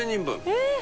えっ。